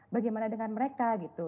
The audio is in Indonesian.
bagaimana dengan mereka gitu